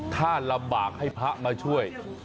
ถ้าลำบากให้พระมาช่วย